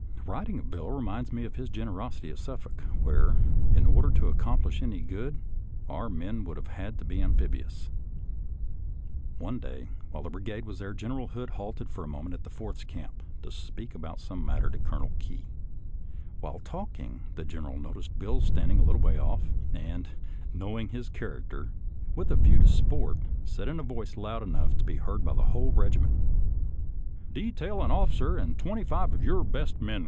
Writing of Bill reminds me of his generosity at Suffolk, where, in order to accomplish any good, our men would have had to be amphibious. One day while the brigade was there. General Hood halted for a moment at the Fourth's camp to speak about some matter to Colonel Key. While talking, the General noticed Bill standing a little way off, and, knowing his character, with a view to sport, said in a voice loud enough to be heard by the whole regiment, " Detail an officer and twenty five of your best men.